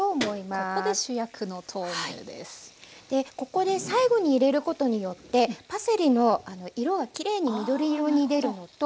ここで最後に入れることによってパセリの色がきれいに緑色に出るのと。